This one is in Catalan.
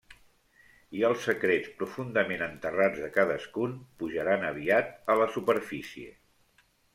I els secrets profundament enterrats de cadascun pujaran aviat a la superfície.